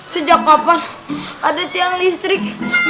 sejak kapan ada tiang listrik